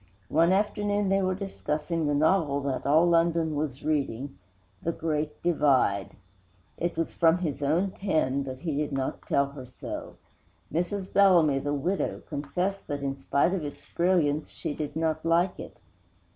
One afternoon they were discussing the novel that all London was reading, The Great Divide. It was from his own pen, but he did not tell her so. Mrs. Bellamy the widow confessed that, in spite of its brilliance, she did not like it.